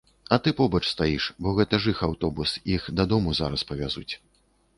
А ты побач стаіш, бо гэта ж іх аўтобус, іх дадому зараз павязуць.